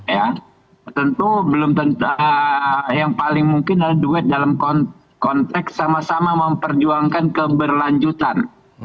ya tentu belum tentu yang paling mungkin adalah duet dalam konteks sama sama memperjuangkan keberlanjutan